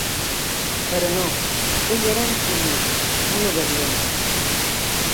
Però no, ell era un sumís, un obedient